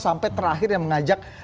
sampai terakhir yang mengajak